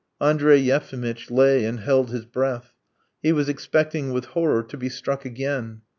Andrey Yefimitch lay and held his breath: he was expecting with horror to be struck again.